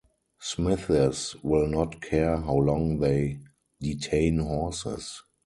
Smiths will not care how long they detain horses.